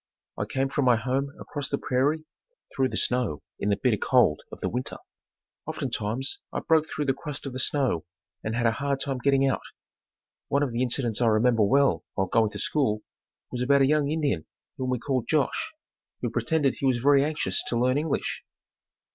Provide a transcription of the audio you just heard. I came from my home across the prairie, through the snow in the bitter cold of the winter. Oftentimes I broke through the crust of the snow and had a hard time getting out. One of the incidents I remember well while going to school, was about a young Indian whom we called Josh, who pretended he was very anxious to learn English.